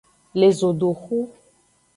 Le zodoxu.